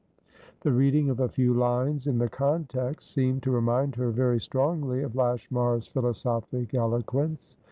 The reading of a few lines in the context seemed to remind her very strongly of Lashmar's philosophic eloquence.